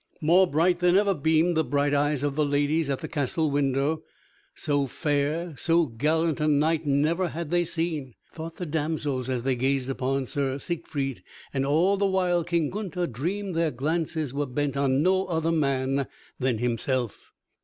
More bright than ever beamed the bright eyes of the ladies at the castle window. So fair, so gallant a knight never had they seen, thought the damsels as they gazed upon Sir Siegfried. And all the while King Gunther dreamed their glances were bent on no other than himself.